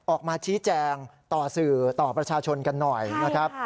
ออกมาชี้แจงต่อสื่อต่อประชาชนกันหน่อยนะครับ